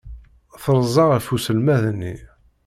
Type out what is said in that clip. Terza ɣef uselmad-nni.